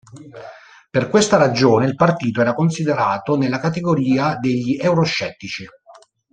Per questa ragione il partito era considerato nella categoria degli euroscettici.